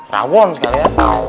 rawon sekali ya